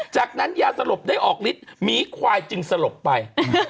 จากนั้นยาสลบได้ออกฤทธิหมีควายจึงสลบไป